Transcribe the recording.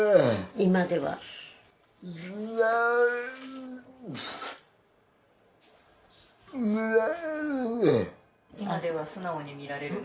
「今では素直に見られるね」